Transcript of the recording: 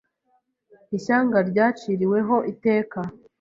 ISHYANGA RYACIRIWEHO ITEKA